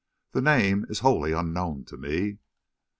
"The name is wholly unknown to me."